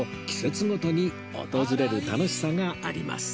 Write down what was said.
季節ごとに訪れる楽しさがあります